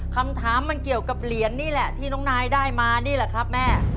คำถามมันเกี่ยวกับเหรียญนี่แหละที่น้องนายได้มานี่แหละครับแม่